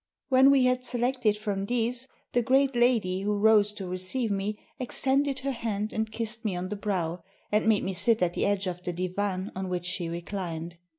When we had selected from these, the great lady, who rose to receive me, extended her hand and kissed me on the brow, and made me sit at the edge of the divan on which she reclined.